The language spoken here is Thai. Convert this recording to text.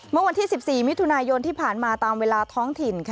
เมื่อวันที่๑๔มิถุนายนที่ผ่านมาตามเวลาท้องถิ่น